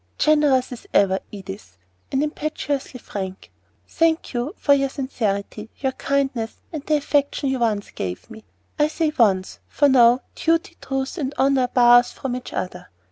"Generous as ever, Edith, and impetuously frank. Thank you for your sincerity, your kindness, and the affection you once gave me. I say 'once,' for now duty, truth, and honor bar us from each other.